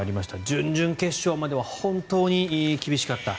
準々決勝までは本当に厳しかった。